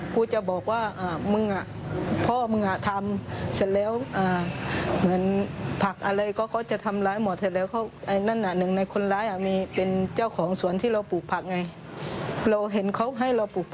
กูจะบอกว่ามึงอ่ะ